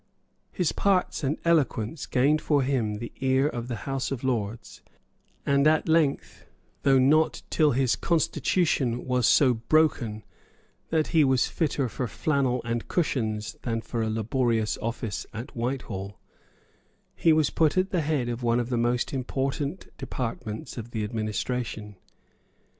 His parts and eloquence gained for him the ear of the House of Lords; and at length, though not till his constitution was so broken that he was fitter for flannel and cushions than for a laborious office at Whitehall, he was put at the head of one of the most important departments of the administration.